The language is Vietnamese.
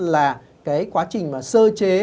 là quá trình sơ chế